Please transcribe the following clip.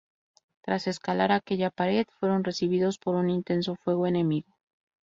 Tras escalar aquella pared, fueron recibidos por un intenso fuego enemigo.